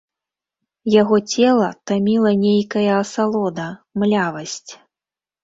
Яго цела таміла нейкая асалода, млявасць.